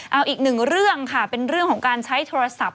เอาอีกหนึ่งเรื่องค่ะเป็นเรื่องของการใช้โทรศัพท์